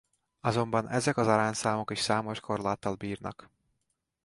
Azonban ezek az arányszámok is számos korláttal bírnak.